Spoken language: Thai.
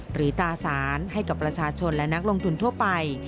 ตาสารให้กับประชาชนและนักลงทุนทั่วไป